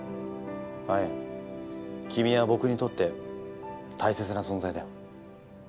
アエン君は僕にとって大切な存在だよ。